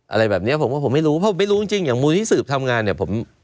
อะไรแบบเนี้ยผมว่าผมไม่รู้เพราะไม่รู้จริงอย่างมูลที่สืบทำงานเนี่ยผม